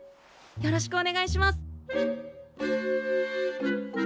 よろしくお願いします。